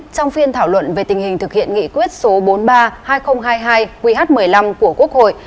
trong phiên thảo luận về tình hình thực hiện nghị quyết số bốn mươi ba hai nghìn hai mươi hai qh một mươi năm của quốc hội